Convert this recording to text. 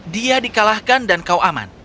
dia di kalahkan dan kau aman